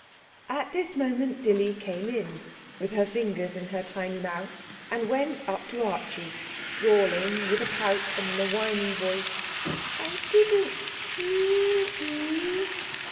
At this moment Dilly came in, with her finger in her tiny mouth, and went up to Archie, drawling with a pout, and in a whining voice: 'I didn't mean to.'